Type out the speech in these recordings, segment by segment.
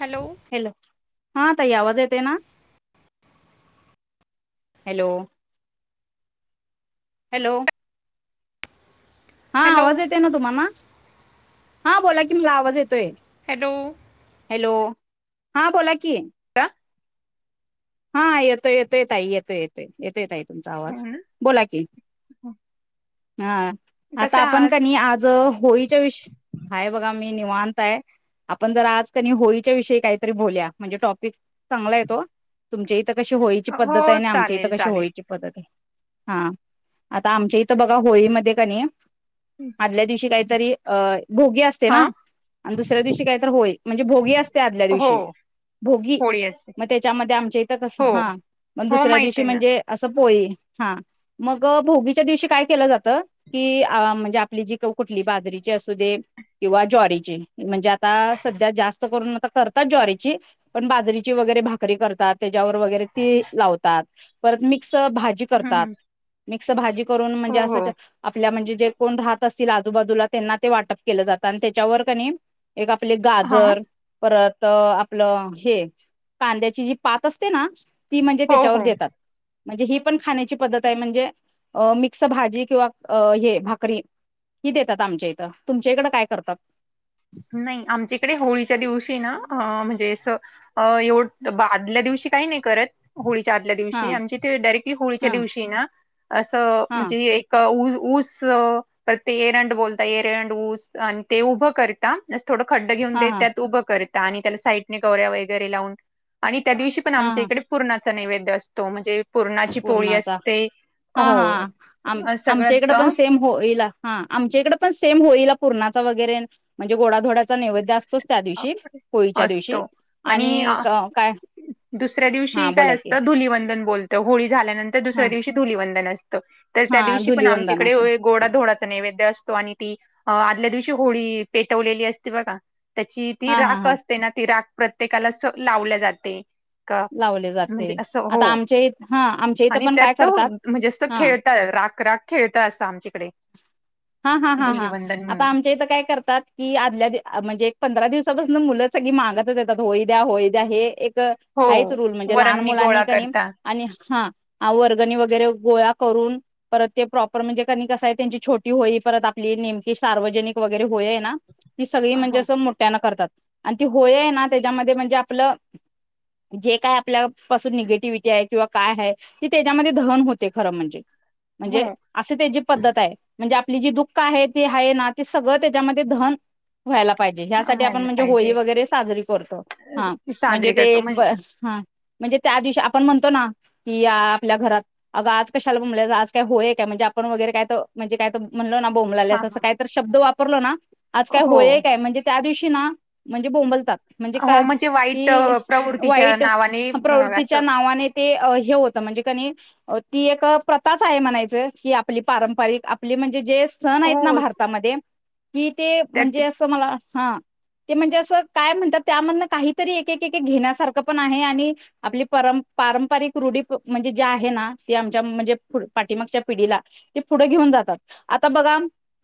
Hello. Hello हा ताई आवाज येतोय ना, हॅलो हॅलो. हा हॅलो आवाज येतय ना तुम्हाना, हा बोला की, मला आवाज येतोय. हॅलो. हॅलो हा बोला की, का? हा येतोय येतोय, ताई येतोय येतोय येतो, ताई तुमचा आवाज हम्म बोला कि, हा आता कशा आपण आहात? कणी आज होई [unintelligible] हाय बघा मी निवांत हाय. आपण जर आज कनी होळीच्या विषयी काहीतरी बोलुया, म्हणजे टॉपिक चांगला हाय त्यो तुमच्या इथ कशी होळीची हो पद्धत हाये आणि आमच्या इथ चालेल कशी चालेल होळीची? पद्धत हाय हा आता आमच्या इथं बघा होळीमध्ये कनी आदल्या दिवशी काहीतरी अ भोगी अस असते हा ना आणि दुसऱ्या दिवशी काही तर होळी म्हणजे भोगी असते, आदल्या हो दिवशी भोगी होळी असते मग त्याच्यामध्ये आमच्या इथ कस? हो हा मग हो दुसऱ्या माहित दिवशी आहे ना म्हणजे पोळी हा मग भोगीच्या दिवशी काय केलं जात? कि म्हणजे आपली जी कुठली? बाजरीची असू दे किंवा ज्वारीची म्हणजे आता सध्या जास्त करून आता करतात ज्वारीची पण बाजरीची वगैरे भाकरी करतात. त्याच्यावर वगैरे तीळ लावतात, परत मिक्स भाजी हम्म, करतात. हम्म. मिक्स भाजी करून म्हणजे हो हो असं आपल्या म्हणजे जे कोण राहत असतील, आजूबाजूला त्यांना ते वाटप केलं जातं आणि त्याच्यावर कणी एक आपले हा गाजर परत आपलं, हे कांद्याची जी पात असते ना ती म्हणजे हो त्याच्यावर हो देतात. म्हणजे ही पण खाण्याची पद्धत आहे म्हणजे अ मिक्स भाजी किंवा हे भाकरी ही देतात, आमच्या इथं तुमच्या इकडं काय करतात? नाही आमच्याकडे होळीच्या दिवशी ना म्हणजे अस अ एवढ आदल्या दिवशी काही नाही करत होळीच्या आदल्या हा दिवशी आमचे ते डायरेक्टली होळीच्या हा दिवशी ना असं हा म्हणजे ऊ ऊस अ ते एरंड बोलता एरंड ऊस आणि ते उभं करता थोडं खड्ड हा हा त्यात उभं करत आणि त्याला साईडने गवऱ्या वगैरे लावून आणि त्या दिवशी पण हा आमच्या हा इकडे पूर्णाचा नैवेद्य असतो म्हणजे पुूरणाची पोळी पूर्णाचा असते हा हो सगळंत होईल हा आमच्या इकडे पण सेम होईला पूर्णाचा वगरे म्हणजे गोडाधोड्याचा नैवेद्य अस तोच त्या अ, दिवशी कोळीच्या दिवशी असतो आणि अ काय दुसऱ्या दिवशी हा काय बोला की असतं धुलवंदन बोलत तर होळी झाल्यानंतर हा दुसऱ्या दिवशी धुलवंदन असतं तर त्या हा दिवशी पण धुलीवंदन असं आमच्याकडे गोडा धोडाचा नैवेद्य असतो आणि ती आदल्या दिवशी होळी पेटवलेली असती बघा त्याची ती हा हा राख हा असते ना ती राख प्रत्येकाला लावली जाते का लावले म्हणजे जाते असं हो आता आमच्या इथ हा आमच्या इथं आणि पण त्यात काय त करतात म्हणजे अस हा खेळतात राकराक खेळता असता आमच्याकडे हा हा हा हा धुलिवंदन आता म्हणून आमच्या इथं काय करतात कि आदल्या म्हणजे एक पंधरा दिवसापासून मुलं सगळी मागतच येतात होई द्या होई द्या हे एक हो हाच रूल म्हणजे लहान वरंगणी मुलांनी गोळा कणी करता आणि हा वर्गणी वगैरे गोळा करून परत ते प्रॉपर म्हणजे कनी कसं आहे त्यांची छोटी होई परत आपली नेमकी सार्वजनिक वगैरे होय ना ती सगळी म्हणजे हो असं मोठ्याना करतात आणि ती होय ना त्याच्यामध्ये म्हणजे आपलं जे काय आपल्यापासून निगेटिव्हटी आहे किंवा काय आहे की त्याच्यामध्ये दहन होते खरं म्हणजे हो म्हणजे असे त्याची पद्धत आहे म्हणजे आपली जी दुःख आहे ती आहे ना ती सगळं त्याच्यामध्ये धन व्हायला पाहिजे ह्यासाठी आपण व्हायला म्हणजे होळी पाहिजे वगैरे साजरी करतो हा म्हणजे साजरी करतो ते म्हणजे हा म्हणजे त्या दिवशी आपण म्हणतो ना कि आपल्या घरात अग आज कशाला म्हय आज काय होय काय म्हणजे आपण वगैरे काय तर म्हणजे काय तर म्हणलो ना हा बोमलालस हा असं काही तर शब्द वापरलो ना आज काय हो होय काय म्हणजे त्या दिवशी ना म्हणजे बोंबलतात म्हणजे हो का वाईट कि प्रवृत्तीच्या वाईट नावाने प्रवृत्तीच्या असं नावाने ते हे होतं म्हणजे कणी ती एक प्रथाच आहे म्हणायचं की आपली पारंपरिक आपली म्हणजे जे सण आहेत ना हो भारतामध्ये कि ते त्यात म्हणजे ते म्हणजे अस काय म्हणत त्या काहीतरी एकेण्या सारखं पण आहे आणि आपली पर पारंपरिक रुढी म्हणजे ज्या आहे ना ते आमच्या म्हणजे पाठीमागच्या पिढीला ते पुढे घेऊन जातात आता बघा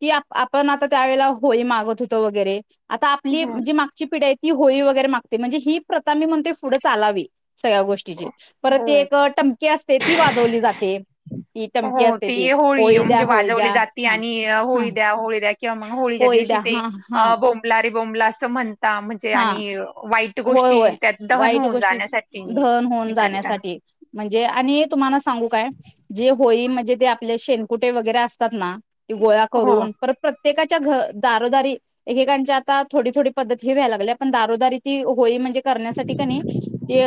ती आपण आता त्यावेेळेला होई मागत होतो वगैरे आता आपली हो जी मागची पिढी आहे ती होळी वगैरे मागते म्हणजे ही प्रथाी म्हण ते पुढं चालावी सगळ्या गोष्टीची परत हो ते एक टमकीे असते ती वाजवली जाते ती हो टमकी असते ती तेी होळी द्या म्हणजे होळी वाजवली द्या जाते हा आणि हा होळी द्या होळी द्या किंवा मग होळीच्या होळी दिवशी द्या ते हा हा बोंबला रे बोंबला असं म्हण म्हणजे हा आणि वाईट होय गोष्टी होय त्यात दहन वाईट होऊन गोष्टी जाण्यासाठी नि धन होऊन हे करता जाण्यासाठी म्हणजे आणि तुम्हाला सांगू काय जे होळी म्हणजे ते आपले शेनकुटे वगैरे असतात ना गोळा हो करून पर प्रत्येकाच्या घ दारोदारी एकेकांच्या आता थोडी थोडी पद्धत ेवायला लागल्या पण दारोदारी ती होई म्हणजे करण्यासाठी क नाही ते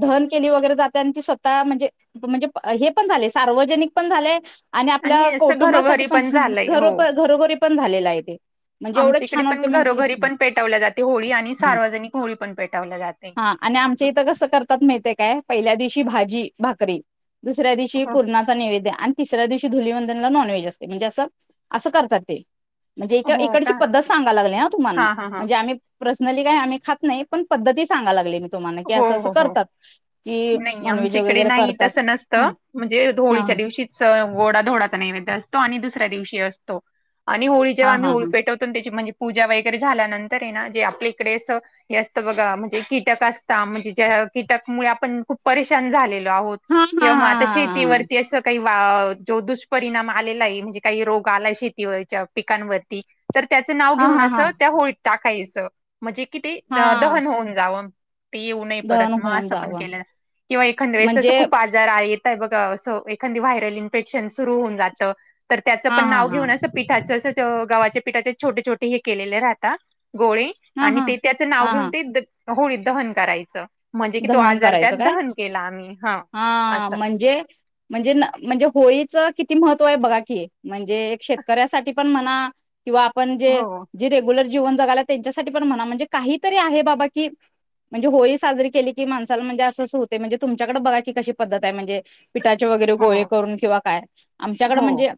दहन केली वगैरे जाते आणि ती स्वतः म्हणजे म्हणजे हे पण झाले सार्वजनिक पण झालेय आणि आपल्या असं कुटुंबासाठी घरोघरी पण झालंय पणरो हो घरोघरी पण झालेला आहे ते म्हणजे आमच्या एवढंच इकडे छान वाटते पण म्हणजे घरोघरी पण पेटवल्या जाते होळी आणि हा सार्वजनिक होळी पण पेटवल्या जाते हा आणि आमच्या इथं कसं करतात माहते काय पहिल्या दिवशी भाजी भाकरी दुसऱ्या दिवशी हो पूर्ण त दिववधन नॉनव्हेज अस म्हणे अस अस करतात ते म्हणजे इ हो इकडची का पद्धत सांगाला लागली ना तुम्हाला हा हा हा म्हणजे आम्ही पर्सनली काय आम्ही खात नाही पण पद्धती सांगा लागली म हो हो हो नाही नॉनव्हेज आमच्या इकडे वगैरे नाही करतात तसं हा नसतं म्हणजे हा होळीच्या दिवशी स गोडा धोडाचा नैवेद्य असतो आणि दुसऱ्या दिवशी असतो आणि होळी हा जेव्हा आम्ही हा होळी पेटवतो त्याची म्हणजे पूजा वगैरे झाल्यानंतर आहे ना जे आपल्या इकडे अस हे असतं बघा म्हणजे कीटक असत म्हणजे ज्या कीटक मु आपण खूप परेशान झालेलो आहोत हा हा हा किंवा मग हा आता शेतीवरती असं काही जो दुष्परिणाम आलेला आहे म्हणजे काही रोग आलाय शेतीवरच्या पिकांवरती तर त्याचं नाव हा घेऊन हा हा हा असं त्या होळीत टाकायचं म्हणजे कि ते हा दहन होऊन जावं ये परत दहन मग होऊन असं पण जावं के किंवा एखा वस म्हणजे ख जरा येतय बघ एखादी व्हायरल इन्फेक्शन सुरू होऊन जात तर त्याचं हा पण हा नाव हा घेण्याचं पिठाच अस गावाच्या पिठाचे छोटे छोटे हे केलेले राहता गोळे हा आणि हा ते त्याचं नाव हा घेऊन हा ते होळीत दहन करायचं म्हणजे की तो दहन आजार करायचं त्यात काय दहन केला आम्ही हा असं म्हणजे म्हणजे म्हणजे होळीच किती महत्व आहे बघा की म्हणजे शेतकऱ्यासाठी पण म्हणा किंवा आपण जे हो जी रेग्युलर जीवन जगाला त्यांच्यासाठी पण म्हणा म्हणजे काहीतरी आहे बाबा की म्हणजे होळी साजरी केली की मासाला म्हणजे असं अस होते म्हणजे तुमच्याकडे बघा की कशी पद्धत आहे म्हणजे पिठाचे वगैरे हो गोळे करून किंवा काय आमच्याकडे हो म्हणजे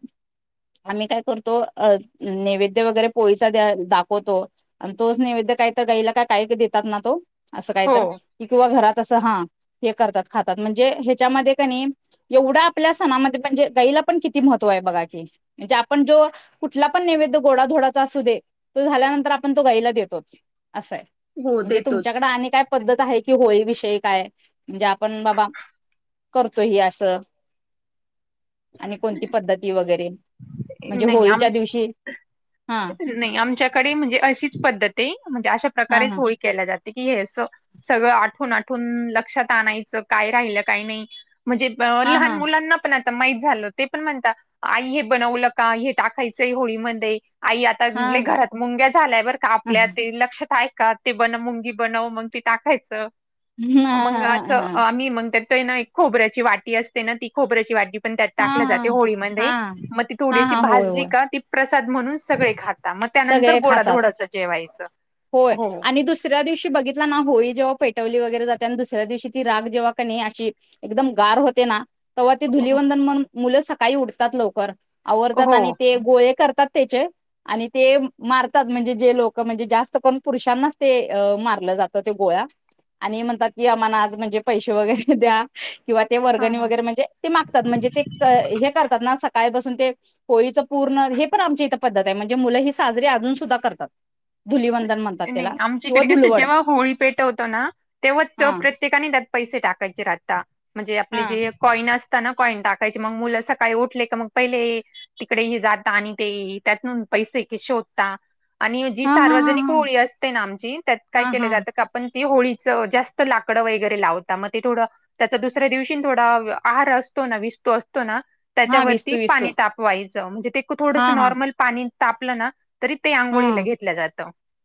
आम्ही काय करतो अ नैवेद्य वगैरे पोैसा द्या दाखवतो आणि तोच नैवेद्य काही तर गाईला काय काही देतात ना तो असं काही हो तर क किंवा घरात असं हा हे करतात खातात म्हणजे ह्याच्यामध्ये का नाही एवढा आपल्या सणामध्ये म्हणजे गाईला पण किती महत्व आहे बघा की म्हणजे आपण जो कुठला पण नैवेद्य गोडाधोडाचा असू दे तो झाल्यानंतर आपण तो गाईला देतोच असंय हो म्हणजे देतोच तुमच्याकडे आणि काय पद्धत आहे कि होळी विषयी काय म्हणजे आपण बाबा करतो ह असं [unintelligible] आणि कोणती पद्धती वगैरे म्हणजे नाही आम होळीच्या दिवशी हा नाही आमच्याकडे म्हणजे अशीच पद्धत आहे म्हणजे अशा हा हा प्रकारेच होळी केल्या जाते की हे असं सगळं आठून आठून लक्षात आणायचं काय राहिलं काय नाही म्हणजे अ हा हा लहान मुलांना पण आता माहीित झालं ते पण म्हणत आई हे बनवलं का हे टाकायचंय होळीमध्ये आई आता हा घरात मुंग्या झाल्याय बरं का हा आपल्या ते लक्षात आहे का ते बनव मुंगी बनव मग त टाकायचं हा मग हा हा असं हा मही मग त्या ना एक खोबऱ्याची वाटी असते ना ती खोबऱ्याची वाटी पण त्यात हा टाकले हा जाते होळी म हा मग ती हा थोडीशी हा होय भाजली होय का ती प्रसाद म्हणून सगळे खात मग त्यानंतर सगळे खातात गोडाधोडाच जेवायचं हो तुसऱ्या दिवशी बघितला ना होळी जेव्हा पेटवली वगैरे जाते आणि दुसऱ्या दिवशी ती राग जेव्हा का नाही अशी एकदम गार होते ना तेव्हा तेी धुलवंदन म्हण मुलं सकाळी उठतात लवकर आवरडतात हो आणि ते गोळे करतात त्याचे आणि ते मारतात म्हणजे जे लोक म्हणजे जास्त करून पुरुषांनाच ते मारलं जातं ते गोळ्या आणि म्हणतात की आम्हाला आज म्हणजे पैसे वगैरे द्या किंवा ते हा वर्गणी हा. वगैरे म्हणजे ते मागतात म्हणजे ते हे करतात ना सकाळीपासून ते होळीचं पूर्ण हे पण आमची इथं पद्धत आहे म्हणजे मुलं ही साजरी अजून सुद्धा करतात धुलिवंदन म्हणतात त्याला नाही किंवा आमच्याकडे कस धुलवड जेव्हा होळी पेटवतो ना तेव्हा च प्रत्य हा प्रत्येकाने त्यात पैसे टाकायचे राहता म्हणजे आपले हा जे कॉईन असताना कॉईन टाकायची मग मुलं असं काही उठले क मग पहिले तिकडे हे जाता आणि ते त्यात पैसे क शोधता आणि जी हा हा सार्वजनिक हा होळी असते ना आमची त्यात काय हा केलं हा जातं का पण ते होळीचं जास्त लाकडं वगैरे लावता मग ते थोडं त्याचा दुसऱ्या दिवशी थोडा आहार असतो ना विसतो असतो ना हा त्याच्यावरती विस्तू पाणी विस्तू तापवायचं. म्हणजे ते थोडस हा हा नॉर्मल पाणी तापलं ना- तरी ते हा आंघोळीला घेतल्या जातात.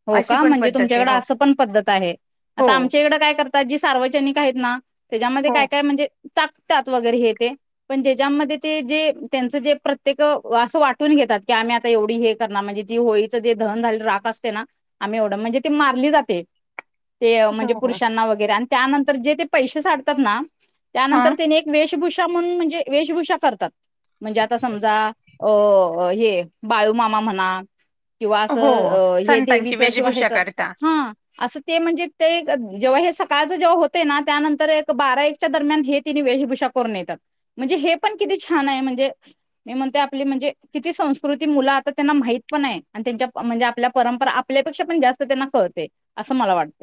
हो का? म्हणजे तुमच्याकड असं पण पद्धत आहे. हो आता आमच्या इकडे काय कर- तात, जी सार्वजनिक आहेत ना, त्याच्यामध्ये हो काय काय? म्हणजे टाकतात वगैरे हे ते- पण ज्याच्यामध्ये ते जे त्यांचं जे प्रत्येक असं वाटून घेतात की आम्ही आता एवढी हे- म्हणजे ती होळीच जे दहन झाले राख असते ना आम्ही एवढ. म्हणजे ती मारली जाते ते हो म्हणजे हो पुरुषांना वगैरे आणि त्यानंतर जे ते पैसे साडतात ना हा त्यानंतर त्याने- वेशभूषा म्हणून म्हणजे वेशभूषा करतात. म्हणजे आता समजा- अ हे बाळूमामा म्हणा- किंवा हो असं हे संतांची देवीचं किंवा वेशभूषा ह्याचं, करता हा. असं ते म्हणजे ते जेव्हा हे सकाळच जेव्हा होतय ना त्यानंतर एक बारा एक- दरम्यान हे तिन्ही वेशभूषा करून येतात. म्हणजे हे पण किती छान आहे म्हणजे- मी म्हणते आपली म्हणजे किती संस्कृती मुलं आता त्यांना माहित पण आहे. आणि त्यांच्या म्हणजे, आपल्या परंपरा आपल्यापेक्षा पण जास्त त्यांना कळतय असं मला वाटत.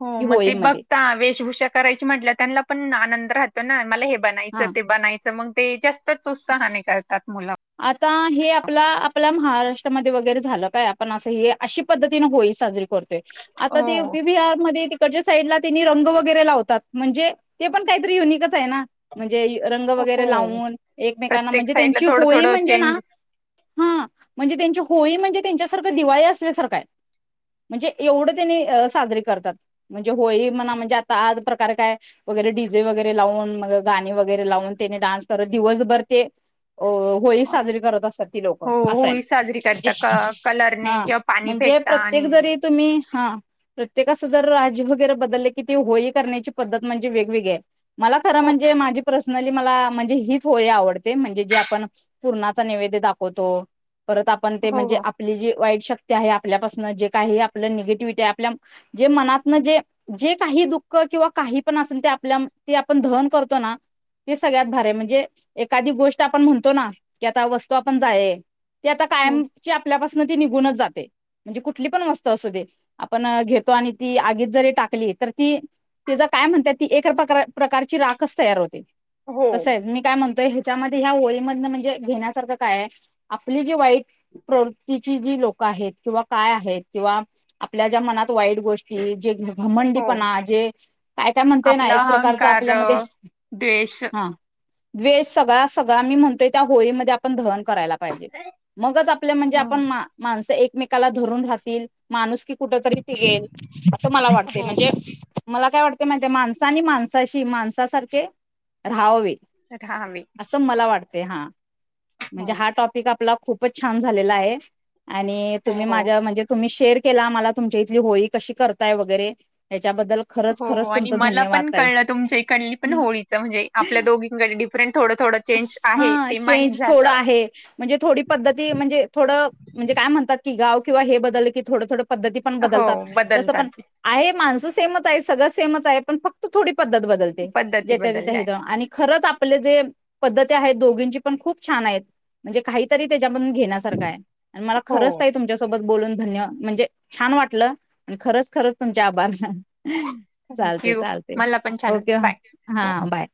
हो. मग ते बघता वेशभूषा करायची म्हटल्या त्यांना पण आनंद राहतो. कना मला हे हा बनायचं, ते बनायचं मग ते जास्तच उत्साहाने करतात मुल. आता हे आपला, आपल्या महाराष्ट्रामध्ये वगैरे झालं काय? आपण असं हे अशी पद्धतीनं होळी साजरी- आता ती यू हो पी बिहार मधे - च्या साईडला तिनी रंग वगैरे लावतात. म्हणजे ते पण काहीतरी युनिकच आहे ना? म्हणजे रंग हो वगैरे लावून एकमेकांना प्रत्येक म्हणजे साईडला त्यांची थोडं होळी थोडं म्हणजे ना? चेंज हा. म्हणजे त्यांची होळी म्हणजे त्यांच्यासारखं दिवाळी असल्यासारखंय. म्हणजे एवढं त्यांनी साजरी करतात. म्हणजे होळी म्हणा म्हणजे आता आज प्रकार काय? वगैरे डी जे वगैरे लावून, मग गाणी वगैरे लावून त्याने डान्स करत दिवसभर ते- ओ. होळी साजरी करत असतात ती लोक. हो असय होळी साजरी म्हणजे करता क कलरने -हा. किंवा पाणी म्हणजे फेकता प्रत्येक आणि जरी- तुम्ही हा. प्रत्येक असं जर राज्य वगैरे बदलल कि ती होळी करण्याची पद्धत म्हणजे वेगवेगळीए. मला खरं हो म्हणजे, माझी पर्सनली मला म्हणजे हीच होळी आवडते म्हणजे जे आप - पुरणाचा नेवैद्य दाखवतो. परत आपण ते हो म्हणजे हो आप - -पली जी वाईट शक्ती आहे. आपल्यापासन जे काही आपलं निगेटिव्हिटी आहे. आपल्या जे मनातन जे- जे काही दुःख किंवा काही पण असेल ते आपल्या, ते आपण दहन करतो ना- ते सगळ्यात भारी आहे. म्हणजे एखादी गोष्ट आपण म्हण - तो ना की, आता वस्तू आपण जाळलिए ते आता कायमची आपल्यापासून ती निघूनच जाते. म्हणजे कुठली पण वस्त असू दे. आपण घेतो आणि ती आगीत जरी टाकली तर ती तिचं काय म्हणतात ती एक प्रकारची राखच तयार होते. हो तसय मी काय म्हणतोय ह्याच्यामध्ये ह्या होळी मधन म्हणजे घेण्यासारखं कायए, आपली जी वाईट प्रवृत्तीची जी लोकं आहेत किंवा काय आहेत किंवा आपल्या ज्या मनात वाईट गोष्टी कि जे हो घमंडीपणा जे काय, काय म्हणतोय ना आपला एक प्रकारचा अहंकार आपल्यामध्ये द्वेष. हा द्वेष. सगळा सगळा मी म्हणतोय त्या होळीमध्ये आपण दहन करायला पाहि- जे मगच आपल्या म्हणजे हो आपण माणसं एकमेकाला धरून राहतील- माणूसकी कुठ तरी टिकेल, असं मला वाटते हो म्हणजे- मला काय वाटतं माहितीए? माणसानी माणसाशी माणसासारखे राहावे. राहावे अस मला वाटतय हा. हो म्हणजे हा टॉप- पीक आपला खूपच छान झालेला आहे. आणि तुम्ही हो माझ्यावर म्हणजे तुम्ही शेअर - केला मला. तुमच्या इथली होळी कशी करताय वगैरे ह्याच्याबद्दल हो आणि मला पण कळलं. तुमच्या इकडली पण होळीचं म्हणजे आपल्या दोघी कडे डिफरंट थोडं थोडं - हा चेंज थोडा आहे. म्हणजे थोडी पद्धती म्हणजे थोडं म्हणजे काय म्हणात की गाव किंवा हे बदल क थडं थोडं. पद्धती पण हो बदलतात जस पण बदलतात आहे माणसं सेमच आहे सगळं सेमच आहे पण फक्त थोडी पद्धत बद् ज पद्धती बदलल्या हथ आहेत. आणि खरच आपले जे दोघ पण खूप छान म्हणजे काहीतरी त्याच्या घे मला खच हो तम सोबत बोलून धन्य म्हणजे छान वाटलं आणि खरच खरंच तुमच्या आभार चालते थँक्यू चालते मला पण छान वाटलं. ओके बाय हा हो बाय-